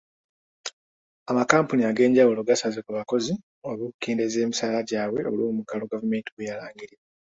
Amakampuni ag'enjawulo gasaze ku bakozi oba okukendeeza emisaala gyabwe olw'omuggalo gavumenti gwe yalangirira.